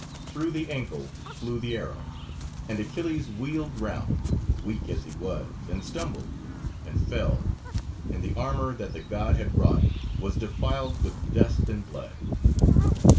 Through the ankle flew the arrow, and Achilles wheeled round, weak as he was, and stumbled, and fell, and the armour that the God had wrought was defiled with dust and blood.